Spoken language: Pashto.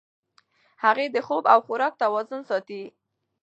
هغې د خوب او خوراک توازن ساتي.